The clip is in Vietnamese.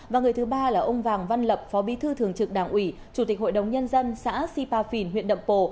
và người thứ ba là ông vàng văn lập phó bi thư thường trực đảng ủy chủ tịch hội đồng nhân dân xã sipha phin huyện nậm pồ